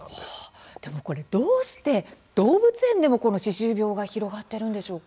でも、どうして動物園でも、この歯周病が広がっているんでしょうか？